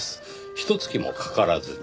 ひと月もかからずに。